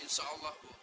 insya allah bu